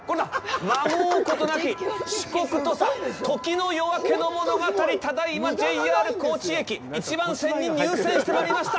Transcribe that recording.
まごうことなき「志国土佐時代の夜明けのものがたり」、ただいまＪＲ高知駅、１番線に入線してまいりました！